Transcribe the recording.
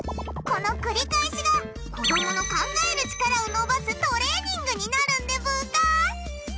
この繰り返しが子供の考える力を伸ばすトレーニングになるんでブーカ。